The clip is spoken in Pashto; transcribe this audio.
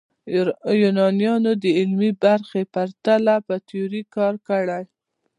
یونانیانو د عملي برخې په پرتله په تیوري کار کړی.